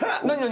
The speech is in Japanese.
何？